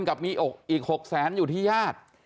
จะมีอีกหกแสนอยู่ที่ญาติ